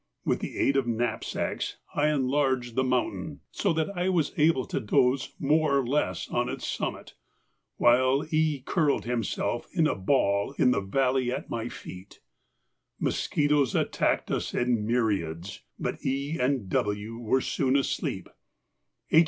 With the aid of knapsacks I enlarged the mountain, so that I was able to doze more or less on its summit, while E. curled himself in a ball in the valley at my feet. The mosquitoes attacked us in myriads, but E. and W. were soon asleep; H.